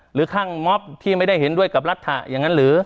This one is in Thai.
หรือข้างม็อบที่ไม่ได้เห็นด้วยกับรัฐะอย่างนั้นหรือ